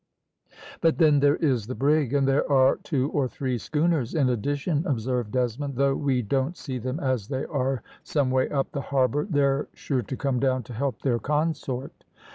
"But then there is the brig, and there are two or three schooners in addition," observed Desmond. "Though we don't see them as they are some way up the harbour, they're sure to come down to help their consort."